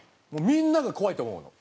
みんなが怖いと思うもの。